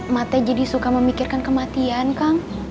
ma teh jadi suka memikirkan kematian kang